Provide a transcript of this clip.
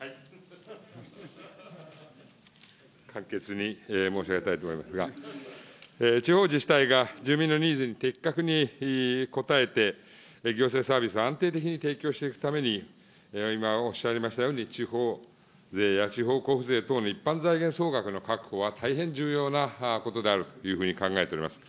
簡潔に申し上げたいと思いますが、地方自治体が、住民のニーズに的確に応えて、行政サービスを安定的に提供していくために、今、おっしゃいましたように地方税や地方交付税等の一般財源総額の確保は大変重要なことであるというふうに考えております。